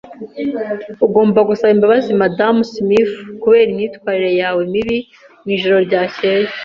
Ugomba gusaba imbabazi Madamu Smith kubera imyitwarire yawe mibi mu ijoro ryakeye.